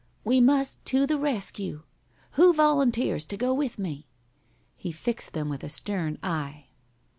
We must to the rescue. Who volunteers to go with me?" He fixed them with a stern eye.